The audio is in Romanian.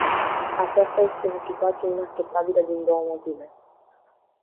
Aceasta este o situație inacceptabilă din două motive.